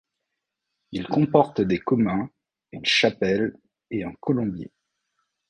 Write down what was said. Il comporte des communs, une chapelle et un colombier.